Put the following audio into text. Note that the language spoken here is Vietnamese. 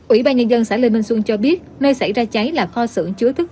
ủy ban nhân dân xã lê minh xuân cho biết nơi xảy ra cháy là kho xưởng chứa thức